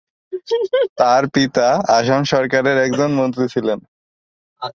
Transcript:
তার পিতা আসাম সরকারের একজন মন্ত্রী ছিলেন।